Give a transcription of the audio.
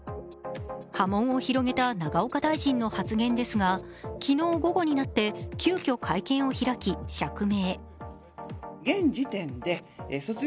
波紋を広げた永岡大臣の発言ですが昨日午後になって、急きょ、会見を開き、釈明。